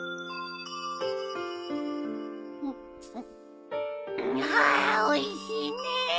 ハアおいしいね。